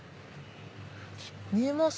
見えます？